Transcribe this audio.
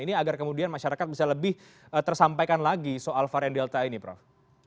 ini agar kemudian masyarakat bisa lebih tersampaikan lagi soal varian delta ini prof